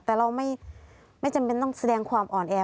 แต่เราไม่จำเป็นต้องแสดงความอ่อนแอ